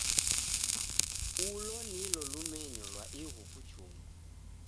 Ulo nilo lumenyo lwa ighu kuchumba.